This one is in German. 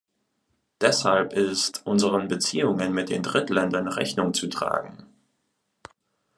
Deshalb ist unseren Beziehungen mit den Drittländern Rechnung zu tragen.